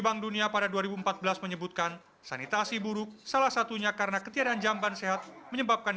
bank dunia pada dua ribu empat belas menyebutkan sanitasi buruk salah satunya karena ketiadaan jamban sehat menyebabkan